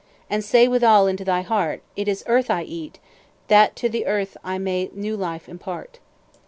And say withal unto thy heart, It is earth I eat, that to the earth I may new life impart."